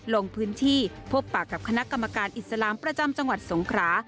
ลงพื้นที่พบปากกับคณะกรรมการอิสลามประจำจังหวัดสงครา